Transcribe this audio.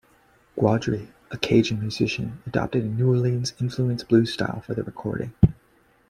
Guidry, a Cajun musician, adopted a New Orleans-influenced blues style for the recording.